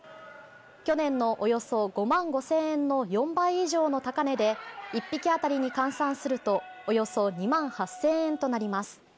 去年のおよそ５万５０００円の４倍以上の高値で１匹当たりに換算するとおよそ２万８０００円となります。